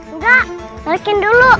enggak balikin dulu